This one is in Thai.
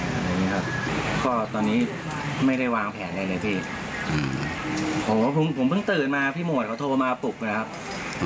ถ้ารุญขยันตอนเขาโทรมาปลุกเลยค่ะ